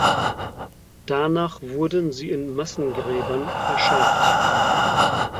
Danach wurden sie in Massengräbern verscharrt.